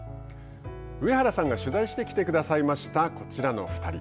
上原さんが取材してきてくださいましたこちらの２人。